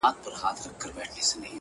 o خوله يوه ښه ده؛ خو خبري اورېدل ښه دي؛